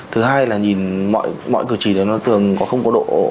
thứ hai là nhìn mọi cửa chỉ này nó thường không có độ